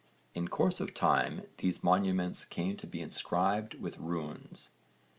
In course of time these monuments came to be inscribed with runes.